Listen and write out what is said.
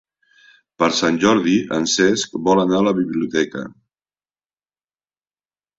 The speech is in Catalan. Per Sant Jordi en Cesc vol anar a la biblioteca.